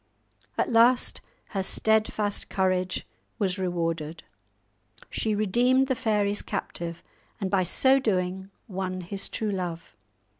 At last her stedfast courage was rewarded, she redeemed the fairies' captive, and by so doing won his true love!